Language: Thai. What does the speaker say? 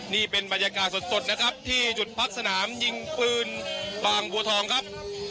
นี่เป็นบรรยากาศสดนะครับที่จุดพักสนามยิงปืนบางบัวทองครับ